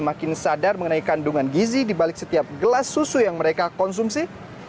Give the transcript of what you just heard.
masyarakat indonesia sudah semakin sadar mengenai kandungan gizi dibalik setiap gelas susu yang mereka konsumsi